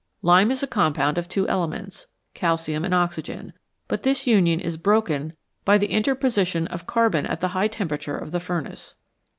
Lime is a compound of two elements, calcium and oxygen, but this union is broken by the interposition of carbon at the high temperature of the furnace.